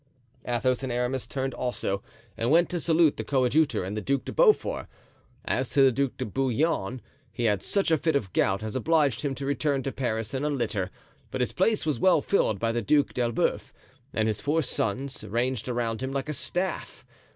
Athos and Aramis turned also and went to salute the coadjutor and the Duc de Beaufort. As to the Duc de Bouillon, he had such a fit of gout as obliged him to return to Paris in a litter; but his place was well filled by the Duc d'Elbeuf and his four sons, ranged around him like a staff.